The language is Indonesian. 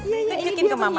tunjukin ke mama